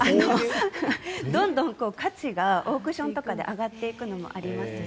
どんどん価値がオークションとかで上がっていくのもありますし。